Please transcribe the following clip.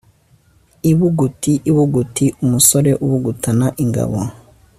Ibuguti ibuguti-Umusore ubugutana ingabo.